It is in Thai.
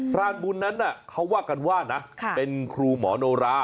รานบุญนั้นเขาว่ากันว่านะเป็นครูหมอโนรา